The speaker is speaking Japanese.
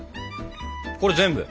これ全部？